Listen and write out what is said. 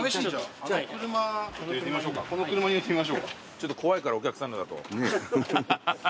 ちょっと怖いからお客さんのだと。